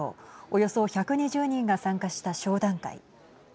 およそ１２０人が参加した商談会。